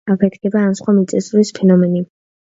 აფეთქება, ან სხვა მიწისძვრის ფენომენი.